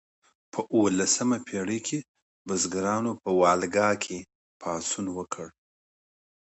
په اوولسمه پیړۍ کې بزګرانو په والګا کې پاڅون وکړ.